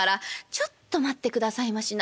「ちょっと待ってくださいましな。